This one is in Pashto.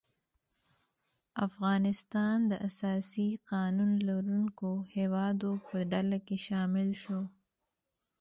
افغانستان د اساسي قانون لرونکو هیوادو په ډله کې شامل شو.